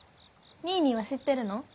ニーニーは知ってるの？